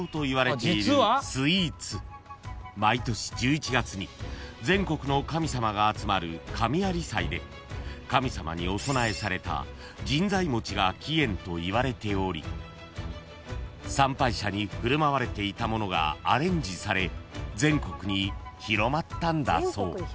［毎年１１月に全国の神様が集まる神在祭で神様にお供えされた神在餅が起源といわれており参拝者に振る舞われていたものがアレンジされ全国に広まったんだそう］